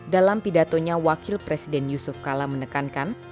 dalam pidatonya wakil presiden yusuf kala menekankan